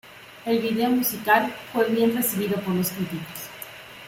El video musical fue bien recibido por los críticos.